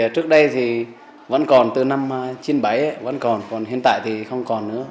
trước đây thì vẫn còn từ năm chín mươi bảy vẫn còn còn hiện tại thì không còn nữa